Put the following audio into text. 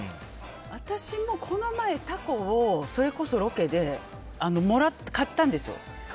私も、この前タコをそれこそロケで買ったんですよ。